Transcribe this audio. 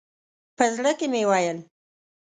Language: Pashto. په زړه کې مې ویل.